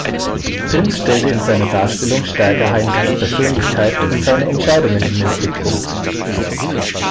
Prinz stellte in seiner Darstellung stärker Heinrichs Persönlichkeit und seine Entscheidungen in den Blickpunkt.